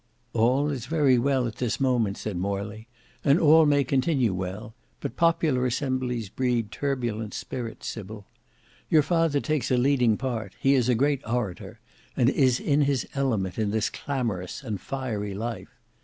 "All is very well at this moment," said Morley, "and all may continue well; but popular assemblies breed turbulent spirits, Sybil. Your father takes a leading part; he is a great orator, and is in his element in this clamorous and fiery life.